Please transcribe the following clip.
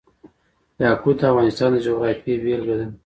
یاقوت د افغانستان د جغرافیې بېلګه ده.